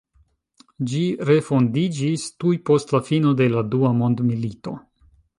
Ĝi refondiĝis tuj post la fino de la Dua Mondmilito.